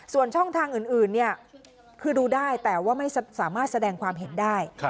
ส่วนช่องทางอื่นคือดูได้แต่ว่าไม่สามารถแสดงความเห็นได้